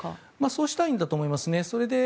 そうしたいんだと思います。